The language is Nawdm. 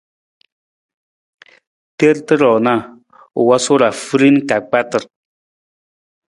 Terata ruu na, u wosu ra hurin ka kpatar.